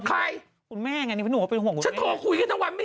คนแม่ไงผมก็เป็นห่วงคุณแม่